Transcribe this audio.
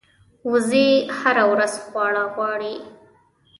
وزې هره ورځ خواړه غواړي